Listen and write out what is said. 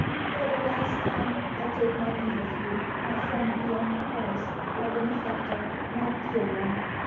For the last time, I take my leave of you, my friend beyond price, my benefactor, my dear one!